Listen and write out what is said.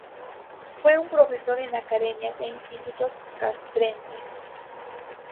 Fue profesor en academias e institutos castrenses.